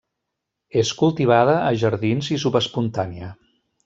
És cultivada a jardins i subespontània.